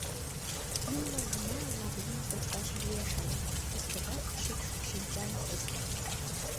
Ӱлнӧ гына лап лийын кошташ лиеш ыле, туштыжат шикш шинчам кочко.